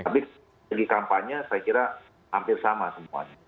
tapi segi kampanye saya kira hampir sama semuanya